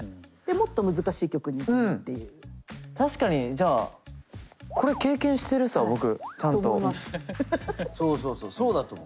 じゃあそうそうそうそうだと思う。